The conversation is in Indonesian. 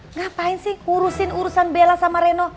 ngapain sih ngurusin urusan bella sama reno